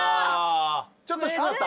ちょっと低かった？